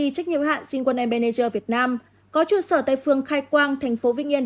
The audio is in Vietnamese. trách nhiệm hạn sinh quân em bennager việt nam có trụ sở tại phường khai quang thành phố vĩnh yên